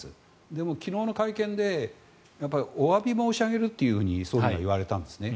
でも昨日の会見でおわび申し上げるというふうに総理が言われたんですね。